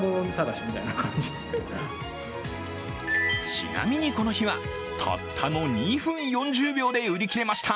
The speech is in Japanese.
ちなみに、この日はたったの２分４０秒で売り切れました。